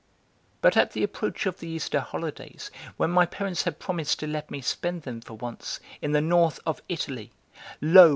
But at the approach of the Easter holidays, when my parents had promised to let me spend them, for once, in the North of Italy, lo!